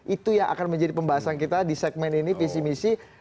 itu yang akan menjadi pembahasan kita di segmen ini visi misi